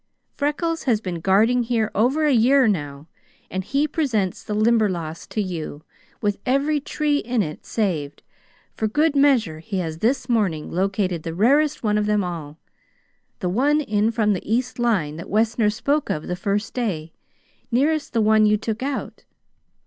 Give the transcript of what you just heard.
Freckles has been guarding here over a year now, and he presents the Limberlost to you, with every tree in it saved; for good measure he has this morning located the rarest one of them all: the one in from the east line, that Wessner spoke of the first day nearest the one you took out.